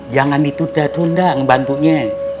jangan ditunda tundang bantunya